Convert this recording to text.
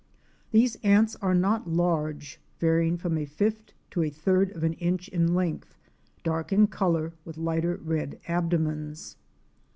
51 These ants are not large, varying from a fifth to a third of an inch in length, dark in color, with lighter red abdomens.